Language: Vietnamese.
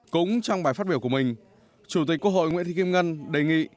cũng trong bài phát biểu của mình chủ tịch quốc hội nguyễn thị kim ngân đề nghị